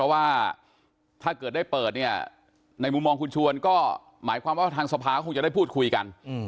ว่าถ้าเกิดได้เปิดเนี่ยในมุมมองคุณชวนก็หมายความว่าทางสภาคงจะได้พูดคุยกัน